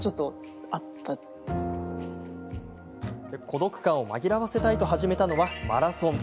孤独感を紛らわせたいと始めたのはマラソン。